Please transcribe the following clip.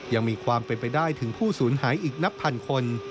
ยังมีความเป็นไปได้ถึงผู้สูญหายอีกนับพันคน